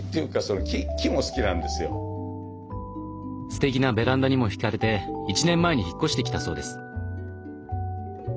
すてきなベランダにもひかれて１年前に引っ越してきたそうです。